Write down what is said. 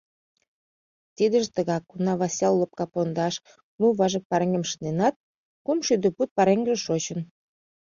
Тидыже тыгак: уна Васъял Лопкапондаш лу важык пареҥгым шынденат, кум шӱдӧ пуд пареҥгыже шочын.